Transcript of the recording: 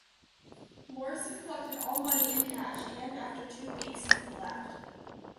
Morrison collected all money in cash and, after two weeks, he left.